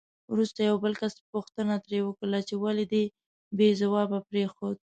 وروسته یو بل کس پوښتنه ترې وکړه چې ولې دې بې ځوابه پرېښود؟